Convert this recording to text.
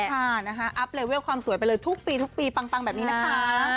ใช่แล้วค่ะอัพเลเวลความสวยไปเลยทุกปีปังแบบนี้นะคะ